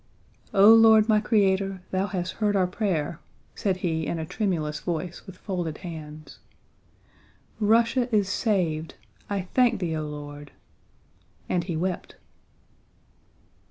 "O Lord, my Creator, Thou has heard our prayer..." said he in a tremulous voice with folded hands. "Russia is saved. I thank Thee, O Lord!" and he wept.